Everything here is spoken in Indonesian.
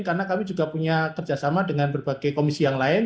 karena kami juga punya kerjasama dengan berbagai komisi yang lain